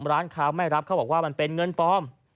ร้านค้าไม่รับเขาบอกว่ามันเป็นเงินปลอม